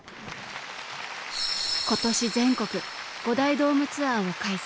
今年全国５大ドームツアーを開催。